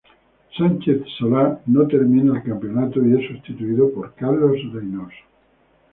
Sánchez Solá no termina el campeonato y es sustituido por Carlos Reinoso.